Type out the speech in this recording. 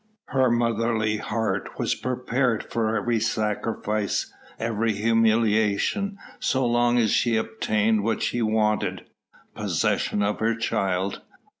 Her motherly heart was prepared for every sacrifice, every humiliation, so long as she obtained what she wanted possession of her child.